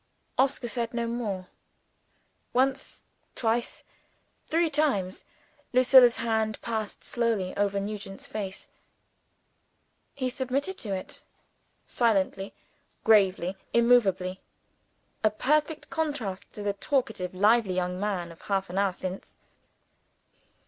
Oscar said no more. Once, twice, three times, Lucilla's hand passed slowly over Nugent's face. He submitted to it, silently, gravely, immovably a perfect contrast to the talkative, lively young man of half an hour since.